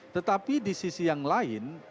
tetapi di sisi yang lain